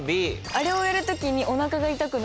あれをやる時に。